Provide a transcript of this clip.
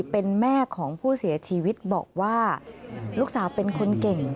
เป็นแม่ของผู้เสียชีวิตบอกว่าลูกสาวเป็นคนเก่ง